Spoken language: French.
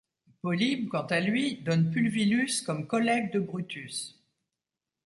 Polybe quant à lui donne Pulvillus comme collègue de Brutus.